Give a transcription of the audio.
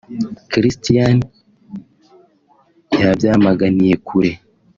Christian yabyamaganiye kure